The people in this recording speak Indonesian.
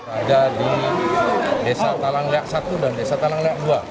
ada di desa talangliak satu dan desa talangliak dua